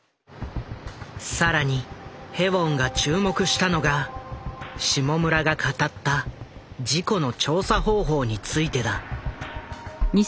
更にヘウォンが注目したのが下村が語った事故の調査方法についてだ。